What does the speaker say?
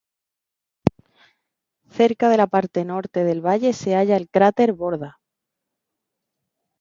Cerca de la parte norte del valle se halla el cráter Borda.